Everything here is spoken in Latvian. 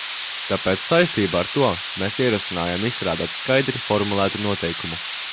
Tāpēc saistībā ar to mēs ierosinām izstrādāt skaidri formulētu noteikumu.